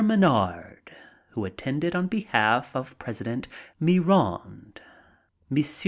Menard, who attended on behalf of President Milla rand; M.